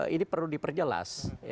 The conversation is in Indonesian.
ini perlu diperjelas